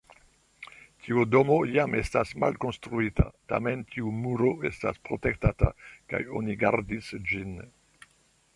Tiu domo jam estas malkonstruita, tamen tiu muro estas protektata kaj oni gardis ĝin.